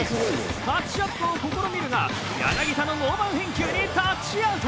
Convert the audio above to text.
タッチアップを試みるが柳田のノーバン返球にタッチアウト。